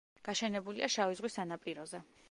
გაშენებულია შავი ზღვის სანაპიროზე.